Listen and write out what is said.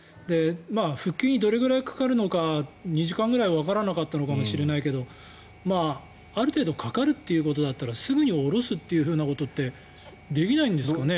復旧にどれぐらいかかるのか２時間ぐらいわからなかったのかもしれないけどある程度かかるということだったらすぐに降ろすということってできないんですかね。